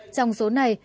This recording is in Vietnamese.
trong số này